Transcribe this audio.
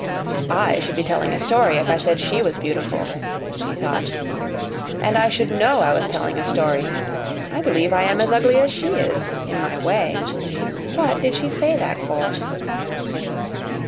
"I should be telling a story if I said she was beautiful," she thought; "and I should know I was telling a story. I believe I am as ugly as she is in my way. What did she say that for?"